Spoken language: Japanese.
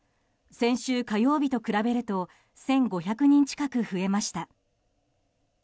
先週火曜日と比べると１５００人近く増えました。